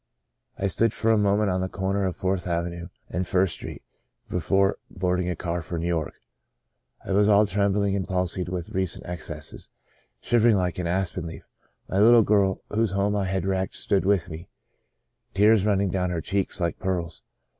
" I stood for a moment on the corner of Fourth Avenue and First Street, before boarding a car for New York. I was all trembling and palsied with recent excesses — shivering like an aspen leaf. My little girl, whose home I had wrecked, stood with me, tears running down her cheeks like pearls.